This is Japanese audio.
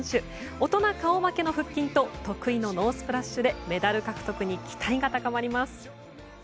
大人顔負けの腹筋と得意のノースプラッシュでメダル獲得に期待が高まります。